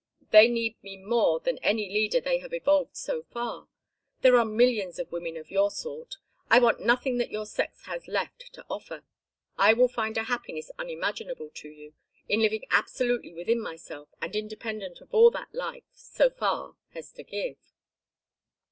They need me more than any leader they have evolved so far. There are millions of women of your sort. I want nothing that your sex has left to offer. I will find a happiness unimaginable to you, in living absolutely within myself and independent of all that life, so far, has to give."